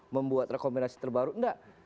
membuat rekomendasi terbaru nggak